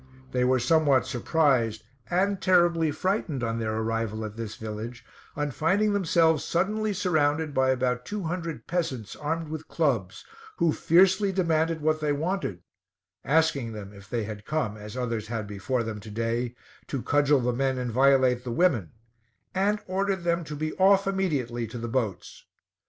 They were somewhat surprised and terribly frightened on their arrival at this village, on finding themselves suddenly surrounded by about two hundred peasants armed with clubs, who fiercely demanded what they wanted, asking them if they had come, as others had before them to day, to cudgel the men and violate the women, and ordered them to be off immediately to the boats.